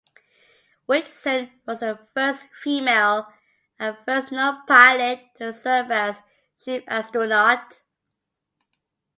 Whitson was the first female, and first non-pilot to serve as Chief Astronaut.